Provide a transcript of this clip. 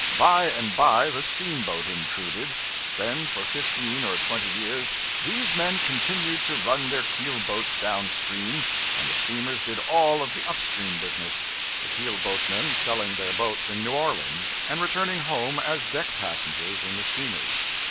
By and by the steamboat intruded. Then for fifteen or twenty years, these men continued to run their keelboats down stream, and the steamers did all of the upstream business, the keelboatmen selling their boats in New Orleans, and returning home as deck passengers in the steamers.